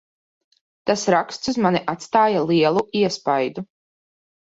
Tas raksts uz mani atstāja lielu iespaidu.